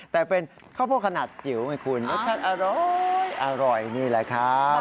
แต่เป็นข้าวโพดขนาดจิ๋วไงคุณรสชาติอร้อยนี่แหละครับ